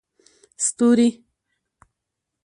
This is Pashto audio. ستوري